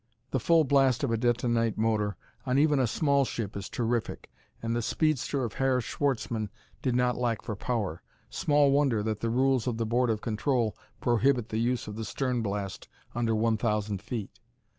The full blast of a detonite motor, on even a small ship, is terrific, and the speedster of Herr Schwartzmann did not lack for power. Small wonder that the rules of the Board of Control prohibit the use of the stern blast under one thousand feet.